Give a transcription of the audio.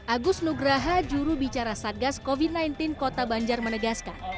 agus nugraha jurubicara satgas covid sembilan belas kota banjar menegaskan